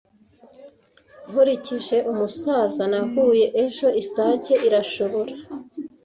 Nkurikije umusaza nahuye ejo, isake irashobora